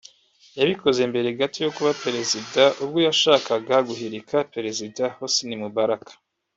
yabikoze mbere gato yo kuba Perezida ubwo yashakaga guhirika Perezida Hosni Mubarak